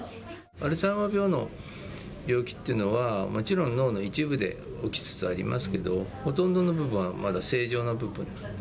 アルツハイマー病の病気っていうのは、もちろん脳の一部で起きつつありますけど、ほとんどの部分はまだ正常な部分なんで。